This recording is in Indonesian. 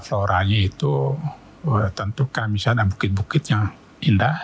floranya itu tentukan misalnya bukit bukitnya indah